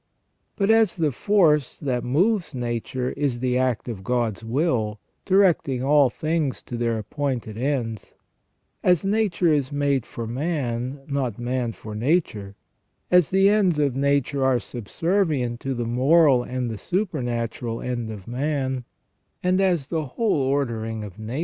But as the force that moves nature is the act of God's will, directing all things to their appointed ends ; as nature is made for man, not man for nature ; as the ends of nature are subservient to the moral and the supernatural end of man ; and as the whole ordering of nature * S.